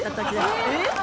えっ！？